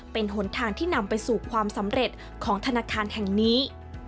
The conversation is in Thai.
เป็นหนทางที่นำไปสู่ความสำเร็จของธนาคารแห่งนี้